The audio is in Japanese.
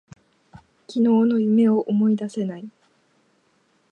昨日の夢を思い出せない。